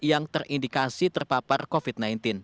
yang terindikasi terpapar covid sembilan belas